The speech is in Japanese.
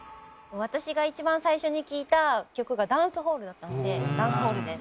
私が一番最初に聴いた曲が『ダンスホール』だったので『ダンスホール』です。